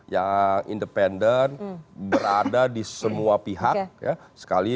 yang independen berada di semua pihak